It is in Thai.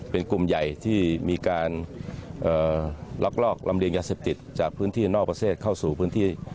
เป็นกลุ่มใหญ่ที่มีการลักลอบลำเลียงยาเสพติดจากพื้นที่นอกประเทศเข้าสู่พื้นที่